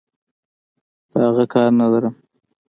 په اغه کار نلرم.